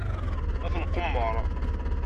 Ad t-nqemmer.